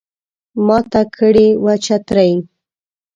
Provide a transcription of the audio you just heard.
ماته کړي وه چترۍ